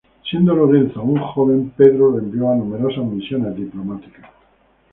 Siendo Lorenzo aún joven, Pedro lo envió a numerosas misiones diplomáticas.